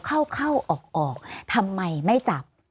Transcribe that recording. เข้าออกทำไมไม่จับ